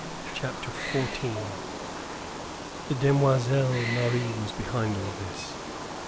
CHAPTER XIV The Demoiselle Marie was behind all this.